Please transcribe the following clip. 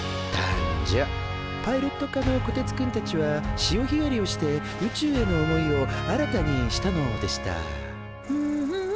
パイロット科のこてつくんたちは潮ひがりをして宇宙への思いを新たにしたのでしたフンフフンフン。